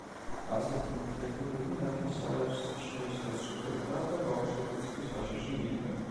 ასეთი ურთიერთობები ნათესავებს შორისაც სუფევდა და ბავშვებიც კი საშიშნი იყვნენ.